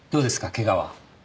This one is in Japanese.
ケガは。